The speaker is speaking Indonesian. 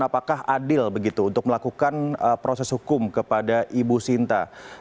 apakah adil begitu untuk melakukan proses hukum kepada ibu sinta